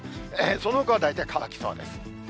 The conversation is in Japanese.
そのほかは大体乾きそうです。